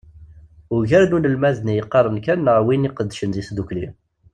Ugar n unelmad-nni yeqqaren kan neɣ win iqeddcen deg tddukli.